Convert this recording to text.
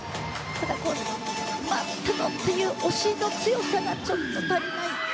ただ、回ったぞという押しの強さがちょっと足りないかな。